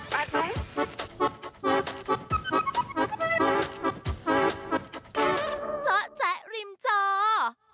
เจาะแจ๊ะริมจอ